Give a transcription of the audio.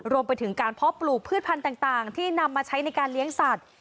รวมไปถึงการเพาะปลูกพืชพันธุ์ต่างที่นำมาใช้ในการเลี้ยงสัตว์